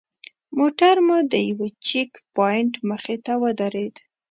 موټر مو د یوه چیک پواینټ مخې ته ودرېد.